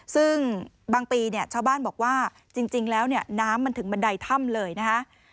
ซึ่งบางปีเนี่ยชาวบ้านบอกว่าจริงแล้วเนี่ยน้ำมันถึงบันไดถ้ำเลยนะคะ